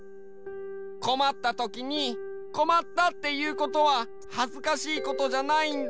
こまったときにこまったっていうことははずかしいことじゃないんだよ。